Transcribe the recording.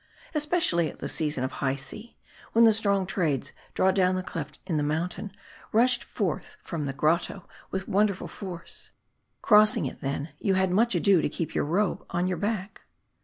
'Especially at the season of high sea, when the strong Trades drawn down the cleft in the mountain, rushed forth from the grotto with wonderful force. Crossing it then, you had much ado to keep your robe on your back.